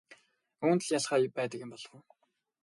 Үүнд л ялгаа нь байдаг юм ойлгов уу?